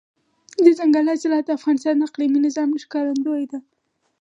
دځنګل حاصلات د افغانستان د اقلیمي نظام ښکارندوی ده.